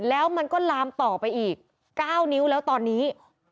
แล้วมันก็ลามต่อไปอีก๙นิ้วแล้วตอนนี้